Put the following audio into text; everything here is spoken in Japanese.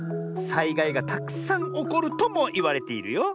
さいがいがたくさんおこるともいわれているよ。